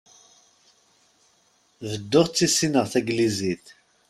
Bedduɣ ttissineɣ tagnizit.